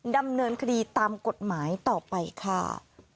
ดำเนินคดีตามกฎหมายต่อไปค่ะ